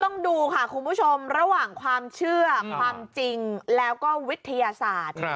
ต้องดูค่ะคุณผู้ชมระหว่างความเชื่อความจริงแล้วก็วิทยาศาสตร์